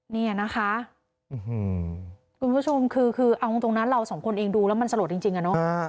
นี่นะคะคุณผู้ชมคือเอาตรงนั้นเราสองคนเองดูแล้วมันสลดจริงอะเนาะ